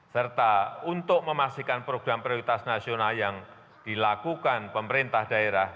serta untuk memastikan program prioritas nasional yang dilakukan pemerintah daerah